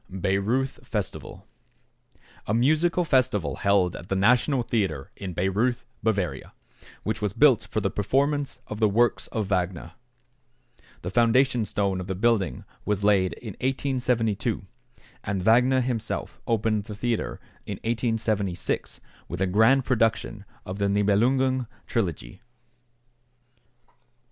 =Bayreuth Festival.= A musical festival held at the National Theatre in Bayreuth, Bavaria, which was built for the performance of the works of Wagner. The foundation stone of the building was laid in 1872, and Wagner himself opened the theatre in 1876 with a grand production of the "Nibelungen Trilogy."